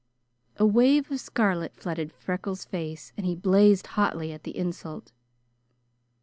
A wave of scarlet flooded Freckles' face and he blazed hotly at the insult.